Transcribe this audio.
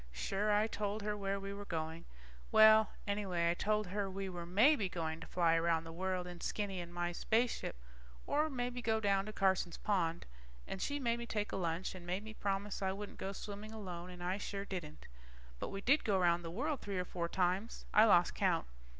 Sure, I told her where we were going. Well ... anyway I told her we were maybe going to fly around the world in Skinny and my spaceship, or maybe go down to Carson's pond. And she made me take a lunch and made me promise I wouldn't go swimming alone, and I sure didn't. But we did go around the world three or four times. I lost count.